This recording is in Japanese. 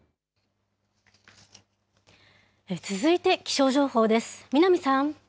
続いて気象情報です。